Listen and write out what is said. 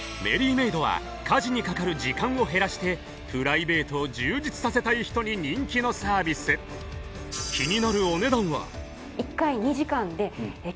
メイドは家事にかかる時間を減らしてプライベートを充実させたい人に人気のサービス気になるお値段は？